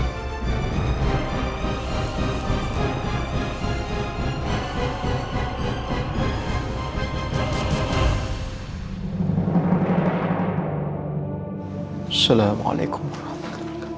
assalamualaikum warahmatullahi wabarakatuh